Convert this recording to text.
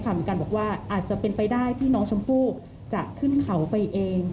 เหมือนกันบอกว่าอาจจะเป็นไปได้ที่น้องชมพู่จะขึ้นเขาไปเอง